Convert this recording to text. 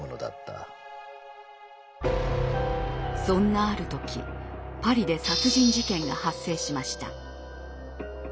そんなある時パリで殺人事件が発生しました。